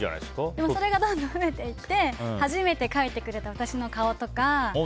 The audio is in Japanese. でもそれがどんどん増えていって初めて描いてくれた私の顔とか。